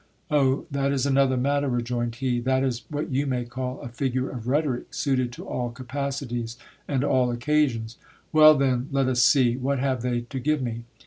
Oh ! that is another matter, rejoined he ; th it is what vou may call a figure of rhetoric suited to all capacities and all occasions. Well, then, let us see, what have they to give me!